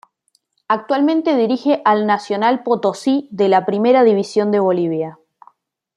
Actualmente dirige al Nacional Potosí de la Primera División de Bolivia.